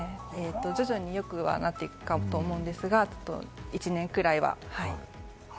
徐々に良くはなっていくかと思うんですが、１年くらいは、はい。